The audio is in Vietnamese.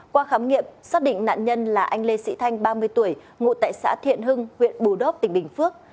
qua khám nghiệm xác định nạn nhân là anh lê sĩ thanh ba mươi tuổi ngụ tại xã thiện hưng huyện bù đốc tỉnh bình phước